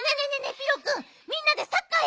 ピロくんみんなでサッカーやろうよ。